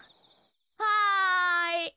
はい。